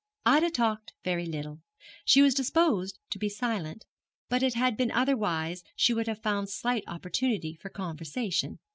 Ida talked very little. She was disposed to be silent; but had it been otherwise she would have found slight opportunity for conversation.